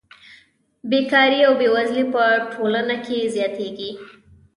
بېکاري او بېوزلي په ټولنه کې زیاتېږي